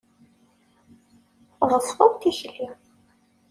Tɣeṣbeḍ tikli.